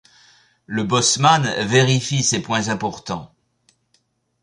Le bosseman vérifie ces points importants.